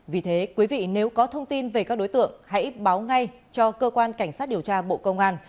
vì thế quý vị nếu có thông tin về các đối tượng hãy báo ngay cho cơ quan cảnh sát điều tra bộ công an